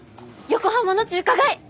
横浜の中華街！